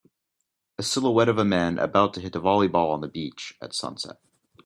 A silhouette of a man about to hit a volleyball on the beach at sunset.